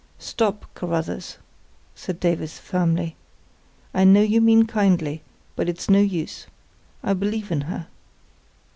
"Stop, Carruthers," said Davies, firmly. "I know you mean kindly; but it's no use. I believe in her."